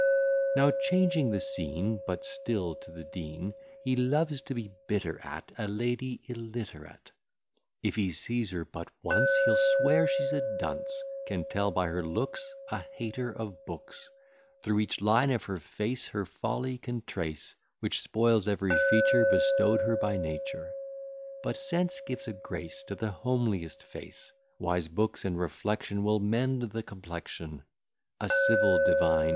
Now changing the scene But still to the Dean; He loves to be bitter at A lady illiterate; If he sees her but once, He'll swear she's a dunce; Can tell by her looks A hater of books; Thro' each line of her face Her folly can trace; Which spoils every feature Bestow'd her by nature; But sense gives a grace To the homeliest face: Wise books and reflection Will mend the complexion: (A civil divine!